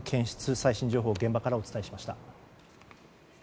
最新情報を現場からお伝えしました。